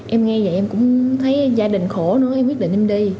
em nghe vậy em cũng thấy gia đình khổ nữa em quyết định em đi